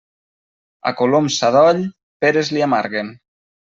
A colom sadoll, peres li amarguen.